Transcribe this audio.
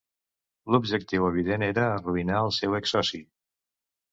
L'objectiu evident era arruïnar el seu exsoci.